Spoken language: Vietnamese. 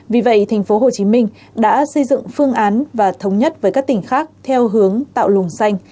vì vậy tp hcm đã xây dựng phương án và thống nhất với các tỉnh khác theo hướng tạo luồng xanh